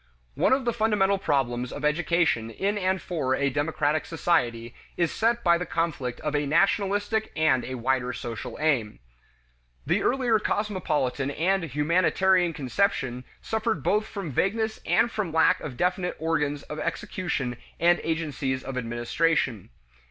One of the fundamental problems of education in and for a democratic society is set by the conflict of a nationalistic and a wider social aim. The earlier cosmopolitan and "humanitarian" conception suffered both from vagueness and from lack of definite organs of execution and agencies of administration.